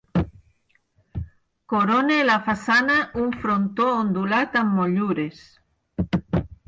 Corona la façana un frontó ondulat amb motllures.